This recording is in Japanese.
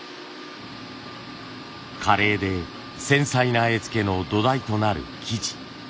華麗で繊細な絵付けの土台となる素地。